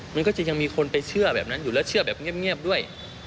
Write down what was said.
มันก็จะยังมีคนไปเชื่อแบบนั้นอยู่แล้วเชื่อแบบเงียบด้วย